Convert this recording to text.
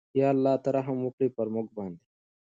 ېاالله ته رحم وکړې پرموګ باندې